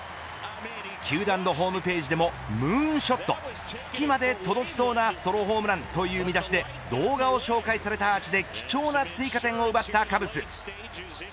球団のホームページでもムーンショット月まで届きそうなソロホームランという見出しで動画を紹介されたアーチで貴重な追加点を奪ったカブス。